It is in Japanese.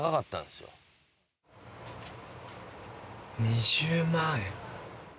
２０万円。